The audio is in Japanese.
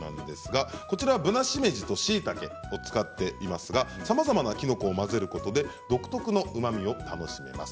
こちらは、ぶなしめじとしいたけを使っていますがさまざまなきのこを混ぜることで独特のうまみが楽しめます。